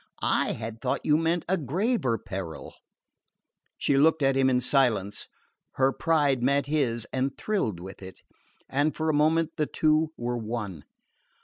"I had thought you meant a graver peril." She looked at him in silence. Her pride met his and thrilled with it; and for a moment the two were one.